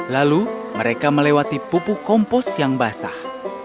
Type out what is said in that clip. lalu mereka melewati pupuk kompos yang basah